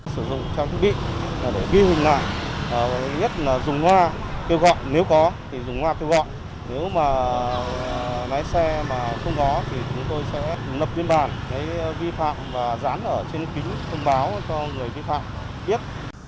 sử dụng trang thiết bị để ghi hình lại nhất là dùng hoa kêu gọi nếu có thì dùng hoa kêu gọi nếu mà lái xe mà không có thì chúng tôi sẽ lập biên bản vi phạm và dán ở trên kính thông báo cho người vi phạm biết